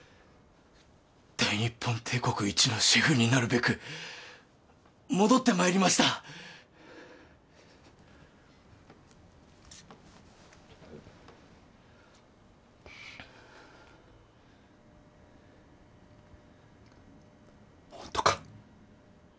大日本帝国一のシェフになるべく戻ってまいりましたホントか？